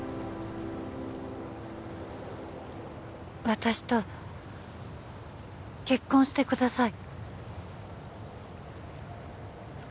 私と結婚してください